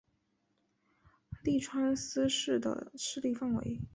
麓川思氏的势力范围。